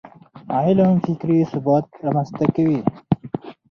علم فکري ثبات رامنځته کوي.